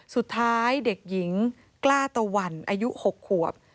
สุดท้ายเด็กหญิงกล้าตะวันอายุ๖ขวบ